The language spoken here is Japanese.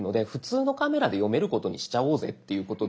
普通のカメラで読めることにしちゃおうぜっていうことで。